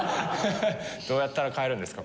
どうやったら買えるんですか？